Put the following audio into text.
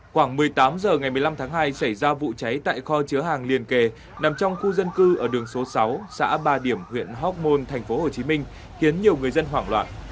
khoảng một mươi tám h ngày một mươi năm tháng hai xảy ra vụ cháy tại kho chứa hàng liền kề nằm trong khu dân cư ở đường số sáu xã ba điểm huyện hóc môn tp hcm khiến nhiều người dân hoảng loạn